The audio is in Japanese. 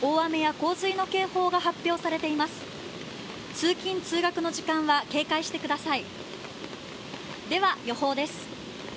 通勤通学の時間は警戒してください。